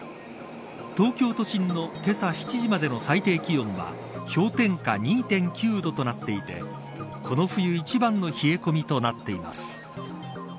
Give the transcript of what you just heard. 東京都心のけさ７時までの最低気温は氷点下２．９度となっていてこの冬一番の冷え込みとなっています。